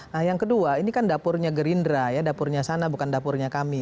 nah yang kedua ini kan dapurnya gerindra ya dapurnya sana bukan dapurnya kami